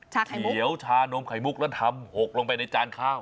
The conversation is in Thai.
เขียวชานมไข่มุกแล้วทำหกลงไปในจานข้าว